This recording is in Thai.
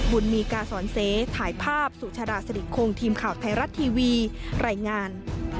บุญมีกาสอนเสถ่ายภาพสุชาดาสิริคงทีมข่าวไทยรัฐทีวีรายงาน